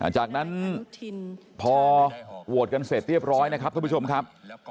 จากนั้นพอโหวตกันเสร็จเรียบร้อยนะครับท่านผู้ชมครับ